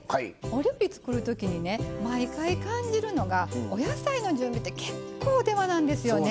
お料理作る時にね毎回感じるのがお野菜の準備って結構手間なんですよね。